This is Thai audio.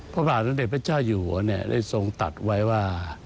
พระบาทสมเด็จพระเจ้าอยู่หัวได้ทรงตัดไว้ว่า